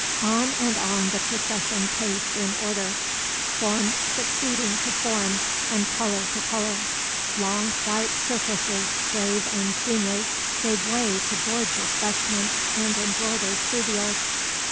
On and on the procession paced in order; form succeeding to form and colour to colour. Long white surplices, grave and seemly, gave place to gorgeous vestments and embroidered pluvials.